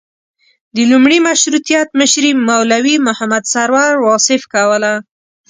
د لومړي مشروطیت مشري مولوي محمد سرور واصف کوله.